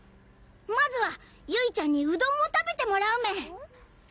まずはゆいちゃんにうどんを食べてもらうメン！